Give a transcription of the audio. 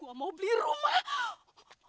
gue mau beli rumah